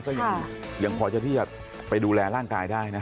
ก็ยังพอจะที่จะไปดูแลร่างกายได้นะ